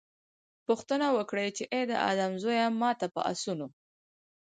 پوښتنه وکړي چې اې د آدم زويه! ما ته په آسونو